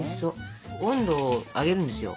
温度を上げるんですよ